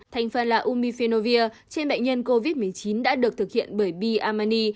thành phần là umifinovir trên bệnh nhân covid một mươi chín đã được thực hiện bởi b amani